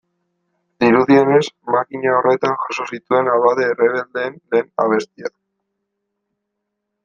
Dirudienez, makina horretan jaso zituen abade errebeldeen lehen abestiak.